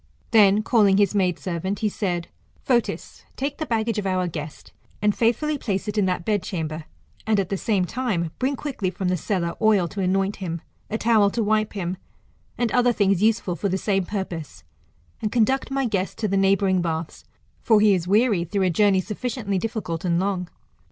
Then, calling his maid servant, he said, Fotis, take the baggage of our guest, and faithfully place it in that bedchan(iber, and at the same time, bring quickly from the cellar oil to anoint him, a towel to wipe him, and other things useful for the ^ame purpose, and conduct my guest to the neighbouring baths | for he is weary through a journey sufficiently difficult and long.